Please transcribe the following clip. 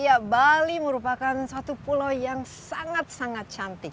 ya bali merupakan suatu pulau yang sangat sangat cantik